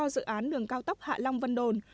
dự án đường cao tốc hạ long vân đồn